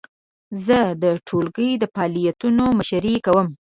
زه د ټولګي د فعالیتونو مشري کوم.